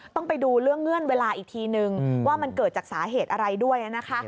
ต้องไปดูเรื่องเงื่อนเวลาอีกทีนึงว่ามันเกิดจากสาเหตุอะไรด้วยนะคะ